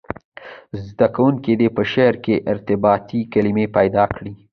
زده کوونکي دې په شعر کې ارتباطي کلمي پیدا کړي.